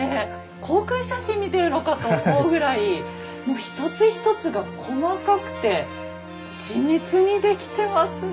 航空写真見てるのかと思うぐらいもう一つ一つが細かくて緻密に出来てますねえ。